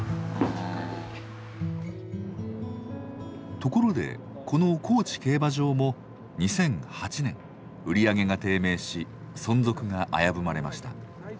ところでこの高知競馬場も２００８年売り上げが低迷し存続が危ぶまれました。